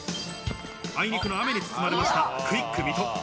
あいにくの雨につつまれましたクイック水戸。